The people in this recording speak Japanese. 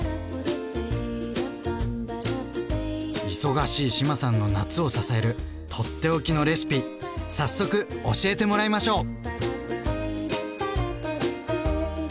忙しい志麻さんの夏を支える取って置きのレシピ早速教えてもらいましょう！